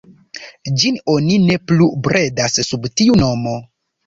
Ĝin oni ne plu bredas sub tiu nomo.